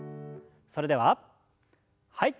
それでははい。